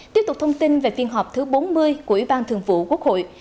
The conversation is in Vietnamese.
tiếp tục thông tin về phiên họp thứ bốn mươi của ủy ban thường vụ quốc hội